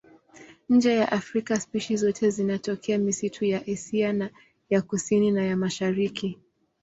Nje ya Afrika spishi zote zinatokea misitu ya Asia ya Kusini na ya Mashariki.